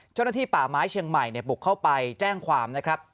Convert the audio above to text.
เจ้าหน้าที่ป่าไม้เชียงใหม่บุกเข้าไปแจ้งความนะครับ